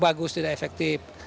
bagus tidak efektif